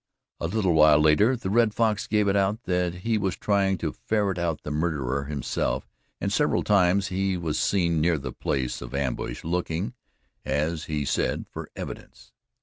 A little later, the Red Fox gave it out that he was trying to ferret out the murderer himself, and several times he was seen near the place of ambush, looking, as he said, for evidence.